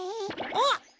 あっ！